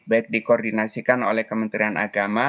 baik dikoordinasikan oleh kementerian agama